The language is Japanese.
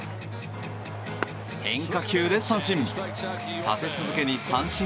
変化球で三振。